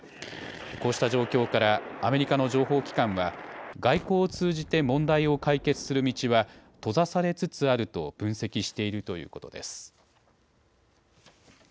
こうした状況からアメリカの情報機関は外交を通じて問題を解決する道は閉ざされつつあると分析しているということです。